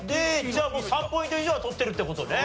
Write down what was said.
じゃあもう３ポイント以上は取ってるって事ね。